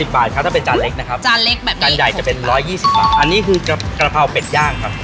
๖๐บาทครับถ้าเป็นจานเล็กนะครับจานใหญ่จะเป็น๑๒๐บาทอันนี้คือกระเพราเป็ดย่างครับ